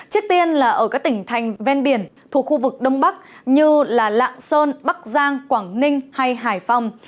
trước tiên là ở các tỉnh thành ven biển thuộc khu vực đông bắc như lạng sơn bắc giang quảng ninh hay hải phòng